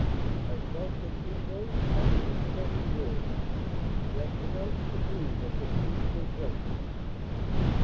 I felt that in those softly spoken words he had pronounced the doom of the fugitive villain.